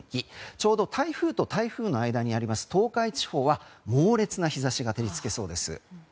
ちょうど台風と台風の間にある東海地方は猛烈な日差しが照り付けそうです。